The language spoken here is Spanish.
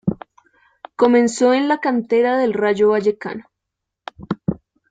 Comenzó en la cantera del Rayo Vallecano.